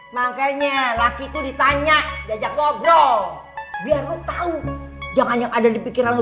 makanya laki itu ditanya diajak ngobrol biar lo tau jangan yang ada di pikiranmu